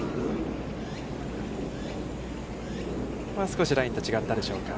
少しラインと違ったでしょうか。